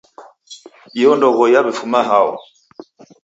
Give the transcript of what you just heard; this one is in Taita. Iyo ndoghoi yaw'ifuma hao?